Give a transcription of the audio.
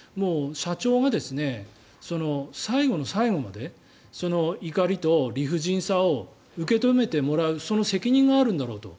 社長が最後の最後まで怒りと理不尽さを受け止めてもらうその責任があるんだろうと。